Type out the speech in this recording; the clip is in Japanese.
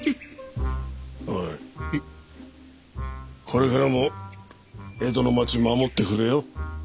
これからも江戸の町守ってくれよ。